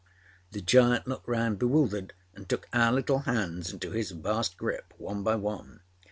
â The giant looked round bewildered and took our little hands into his vast grip, one by one.